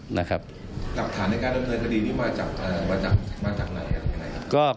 หลักฐานในการรบโทษค้าดีเนี้ยมาจากแบบนั้นใกล้